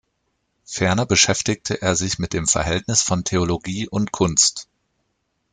Ferner beschäftigte er sich mit dem Verhältnis von Theologie und Kunst.